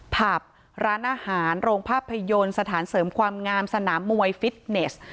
ผับร้านอาหารโรงภาพยนตร์สถานเสริมความงามสนามมวยฟิตเนส